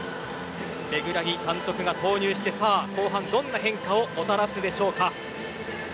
レグラギ監督が投入して後半どんな変化をもたらすでしょうか。